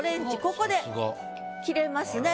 ここで切れますね。